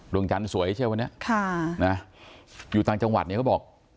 ดวงจันทร์สวยใช่ไหมวันนี้อยู่ต่างจังหวัดเนี่ยเขาบอก